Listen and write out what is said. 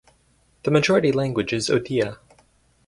The majority language is Odia.